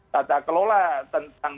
tata kelola tentang